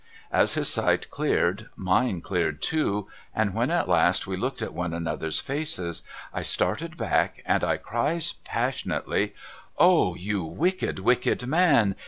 As his sight cleared, mine cleared too, and when at last we looked in one another's faces, I started back and I cries passionately :' O you wicked wicked man